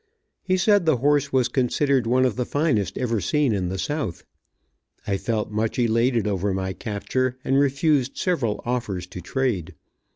He said the horse was considered one of the finest ever seen in the South. I felt much elated over my capture, and refused several offers to trade.